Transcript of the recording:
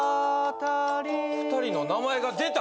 ２人の名前が出た。